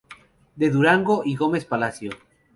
De Durango y Gómez Palacio.